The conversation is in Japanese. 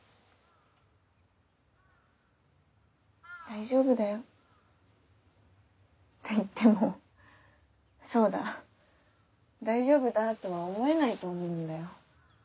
大丈夫だよ。って言ってもそうだ大丈夫だとは思えないと思うんだよ。